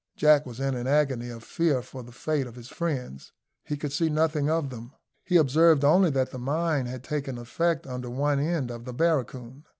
Jack was in an agony of fear for the fate of his friends. He could see nothing of them. He observed only that the mine had taken effect under one end of the barracoon.